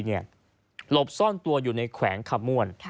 หลบซ่อนตัวอยู่ในแขวงคำม่วน